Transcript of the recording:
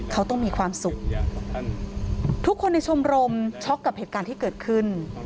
เขาต้องมีความสุขทุกคนในชมรมช็อกกับเหตุการณ์ที่เกิดขึ้น